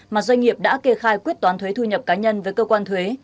mà doanh nghiệp đã kê khai quyết toán thuế thu nhập cá nhân với cơ quan thuế